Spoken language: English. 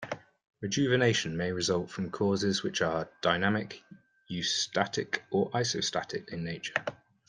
Rejuvenation may result from causes which are dynamic, eustatic or isostatic in nature.